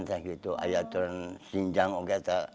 ayahnya itu sinjang